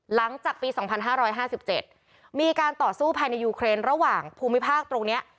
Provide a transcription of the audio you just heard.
หลังจากปี๒๕๕๗มีการต่อสู้ภายในยูเครนระหว่างภูมิภาคตรงนี้